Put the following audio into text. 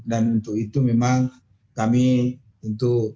dan untuk itu memang kami tentu